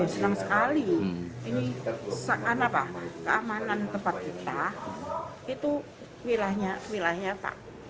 senang sekali ini keamanan tempat kita itu wilayahnya pak